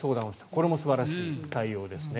これも素晴らしい対応ですね。